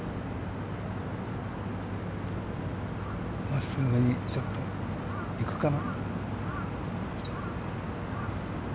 真っすぐにちょっと行くかな。